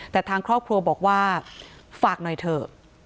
แต่ทางครอบครัวบอกว่าฝากหน่อยเถอะ